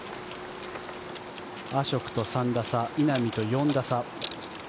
アショクと３打差稲見と４打差。